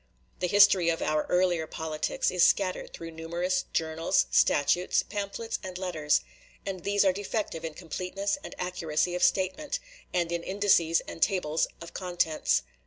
The history of our earlier politics is scattered through numerous journals, statutes, pamphlets, and letters; and these are defective in completeness and accuracy of statement, and in indices and tables of contents.